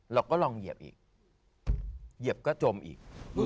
เราก็ลองเหยียบอีกเหยียบก็จมอีก